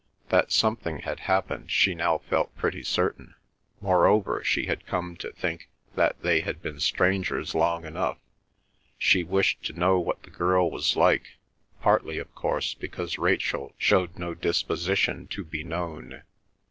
That something had happened she now felt pretty certain; moreover, she had come to think that they had been strangers long enough; she wished to know what the girl was like, partly of course because Rachel showed no disposition to be known.